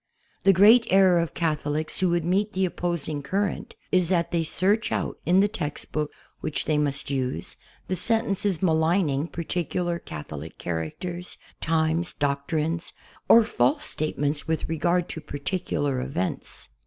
The great error of Catholics who would meet the opposing current is that they search out in the textbook which they must use, the sentences maligning par ticular Catholic characters, times, doctrines, or false state ments with regard to particular events.